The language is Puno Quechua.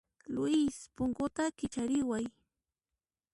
Luis, punkuta kichariway.